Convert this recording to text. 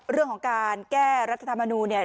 เรื่องของการแก้รัฐธรรมนูลเนี่ย